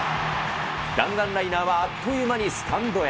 弾丸ライナーはあっという間にスタンドへ。